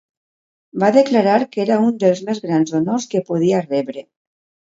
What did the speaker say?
Va declarar que era un dels més grans honors que podia rebre.